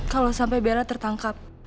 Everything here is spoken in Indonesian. kalau sampai bella tertangkap